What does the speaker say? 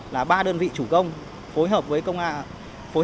là ba đơn vị chủ công phối hợp với các phường xã có rừng